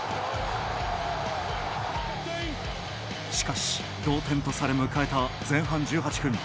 しかし、同点とされ迎えた前半１８分。